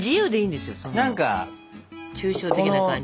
抽象的な感じで。